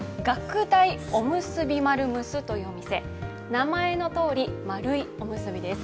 名前のとおり丸いおむすびです。